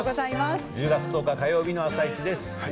１０月１０日火曜日の「あさイチ」です。